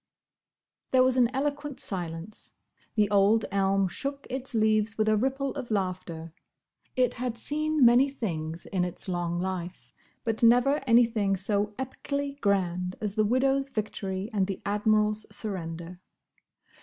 There was an eloquent silence. The old elm shook its leaves with a ripple of laughter. It had seen many things in its long life, but never anything so epically grand as the widow's victory and the Admiral's surrender.